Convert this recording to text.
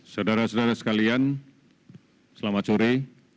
saudara saudara sekalian selamat sore